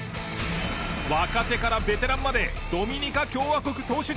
若手からベテランまでドミニカ共和国投手陣は超人ぞろい！